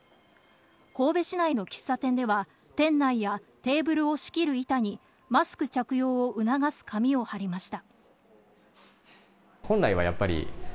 神戸市内の喫茶店では、店内やテーブルの仕切る板にマスク着用を促す紙を貼りました。